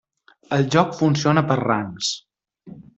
El joc funciona per rangs.